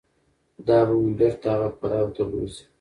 دا به مو بېرته هغه پړاو ته بوځي.